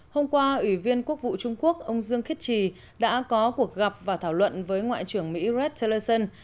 hôm qua ủy viên quốc vụ trung quốc ông dương khiết trì đã có cuộc gặp và thảo luận với ngoại trưởng mỹ rece